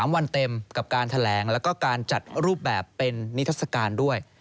๓วันเต็มกับการแถลงแล้วก็การจัดรูปแบบเป็นนิทัศกาลด้วย